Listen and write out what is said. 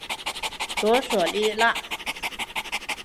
罗索利纳。